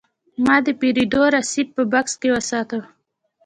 ما د پیرود رسید په بکس کې وساته.